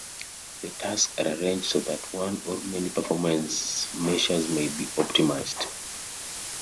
The tasks are arranged so that one or many performance measures may be optimized.